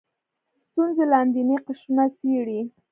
ستونزې لاندیني قشرونه څېړي